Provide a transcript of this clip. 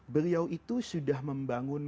beliau itu sudah membangun